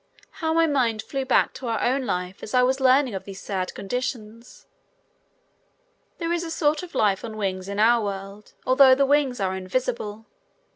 How my mind flew back to our own life as I was learning of these sad conditions. There is a sort of a life on wings in our world, although the wings are invisible.